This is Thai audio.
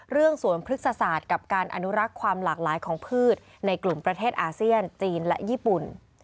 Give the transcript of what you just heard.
สวนพฤกษศาสตร์กับการอนุรักษ์ความหลากหลายของพืชในกลุ่มประเทศอาเซียนจีนและญี่ปุ่น